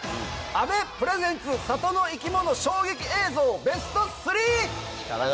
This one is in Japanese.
阿部プレゼンツ里の生き物衝撃映像ベスト３！